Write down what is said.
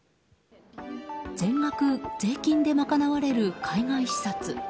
全額税金で賄われる海外視察。